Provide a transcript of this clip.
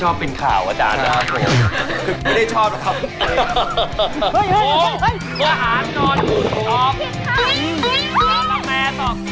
เหมือนกับตัวไทยเสือ